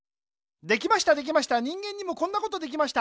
できましたできました人間にもこんなことできました。